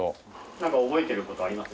なんか覚えてる事あります？